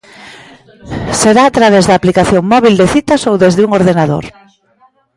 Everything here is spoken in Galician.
Será a través da aplicación móbil de citas ou desde un ordenador.